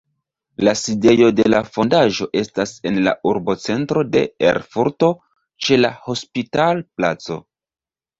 La sidejo de la fondaĵo estas en la urbocentro de Erfurto ĉe la Hospital-placo.